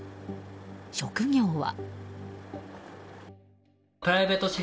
職業は。